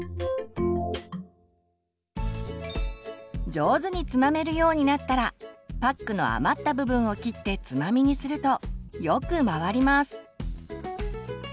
上手につまめるようになったらパックの余った部分を切ってつまみにするとよく回ります。